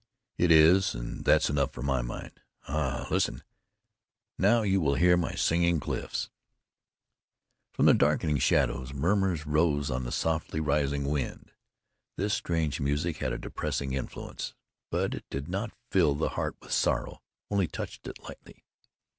It is, and that's enough for any mind. Ah! listen! Now you will hear my Singing Cliffs." From out of the darkening shadows murmurs rose on the softly rising wind. This strange music had a depressing influence; but it did not fill the heart with sorrow, only touched it lightly.